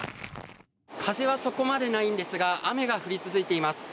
風はそこまでないんですが雨が降り続いています。